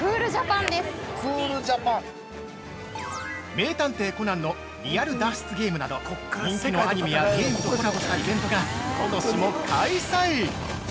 ◆「名探偵コナン」のリアル脱出ゲームなど、人気のアニメやゲームとコラボしたイベントがことしも開催！